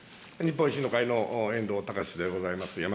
日本維新の会の遠藤敬でございます。